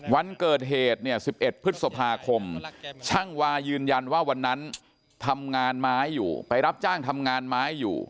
วันเกิดเหตุเนี่ย๑๑พฤษภาคมช่างวายืนยันว่าวันนั้นทำงานไม้อยู่ไปรับจ้างทำงานไม้อยู่